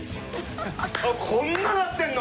こんななってるの？